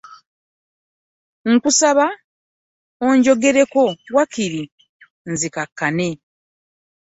Nkusaba onjagaleko waakiri nzikakkane.